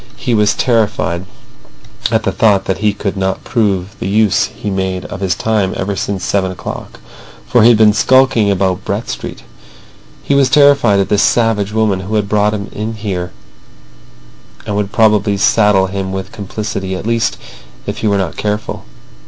He was terrified at the thought that he could not prove the use he made of his time ever since seven o'clock, for he had been skulking about Brett Street. He was terrified at this savage woman who had brought him in there, and would probably saddle him with complicity, at least if he were not careful.